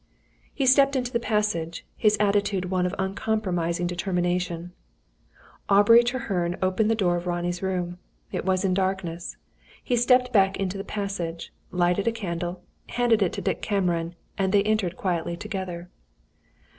He stepped into the passage, his attitude one of uncompromising determination. Aubrey Treherne opened the door of Ronnie's room. It was in darkness. He stepped back into the passage, lighted a candle, handed it to Dick Cameron, and they entered quietly together.